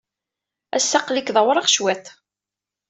Ass-a, aql-ik d awraɣ cwiṭ.